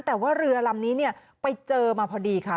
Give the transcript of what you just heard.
แต่ว่าเรือลำนี้เนี่ยไปเจอมาพอดีค่ะ